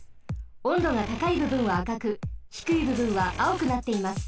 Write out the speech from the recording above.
温度がたかいぶぶんはあかくひくいぶぶんはあおくなっています。